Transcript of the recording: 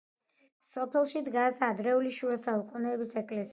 სოფელში დგას ადრეული შუა საუკუნეების ეკლესია.